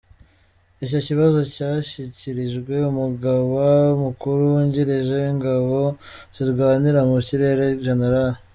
Icyo kibazo cyashyikirijwe Umugaba Mukuru wungirije w’Ingabo zirwanira mu kirere, Gen.